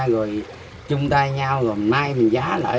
rồi chung tay nhau rồi mai mình giá lại